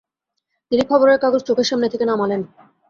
তিনি খবরের কাগজ চোখের সামনে থেকে নামালেন।